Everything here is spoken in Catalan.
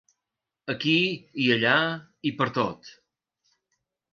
Aquí i allà i pertot.